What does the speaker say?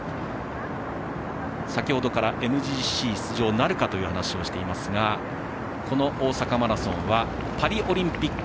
先ほどからＭＧＣ出場なるかという話をしていますがこの大阪マラソンはパリオリンピック